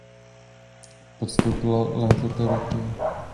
Podstoupila léta terapie.